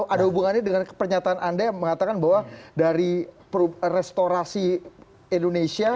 ada hubungannya dengan pernyataan anda yang mengatakan bahwa dari restorasi indonesia